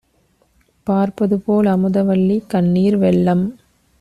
பார்ப்பதுபோல் அமுதவல்லி கண்ணீர் வெள்ளம்